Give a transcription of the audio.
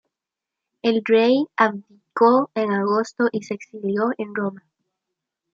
El rey abdicó en agosto y se exilió en Roma.